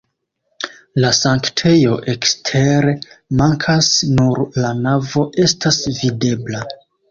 La sanktejo ekstere mankas, nur la navo estas videbla.